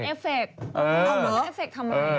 เอ้าเหรอ